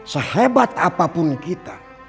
sehebat apapun kita